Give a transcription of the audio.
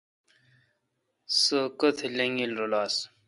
سوُ کتھ لنگیل رل آس